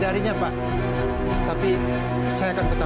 selain itu nanti ada keluarga dan bantuan